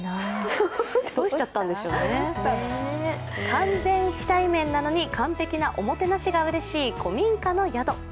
完全非対面なのに、完璧なおもてなしがうれしい古民家の宿。